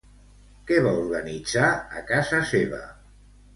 Què va organitzar a casa seva?